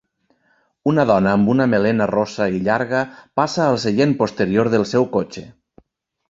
Una dona amb una melena rossa i llarga passa al seient posterior del seu cotxe.